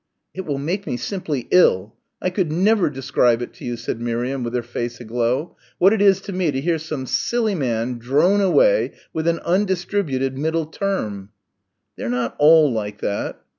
"It will make me simply ill I could never describe to you," said Miriam, with her face aglow, "what it is to me to hear some silly man drone away with an undistributed middle term." "They're not all like that."